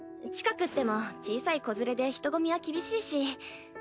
近くっても小さい子連れで人混みは厳しいし。